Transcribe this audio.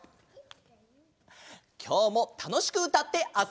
きょうもたのしくうたってあそぼうね！